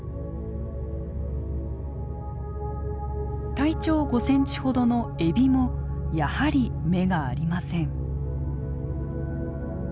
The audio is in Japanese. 体長５センチほどのエビもやはり目がありません。